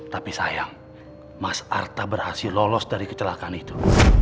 tapi sayang mas arta berhasil lolos dari kecelakaan itu